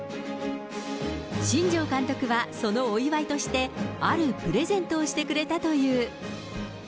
新庄監督はそのお祝いとして、あるプレゼントをしてくれたという。